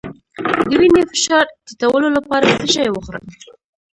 د وینې فشار ټیټولو لپاره څه شی وخورم؟